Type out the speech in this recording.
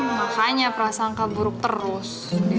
makanya perasaan keburuk terus